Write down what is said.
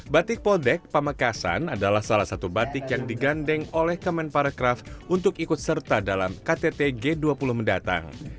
batik poldek pamekasan adalah salah satu batik yang digandeng oleh kemenparekraf untuk ikut serta dalam ktt g dua puluh mendatang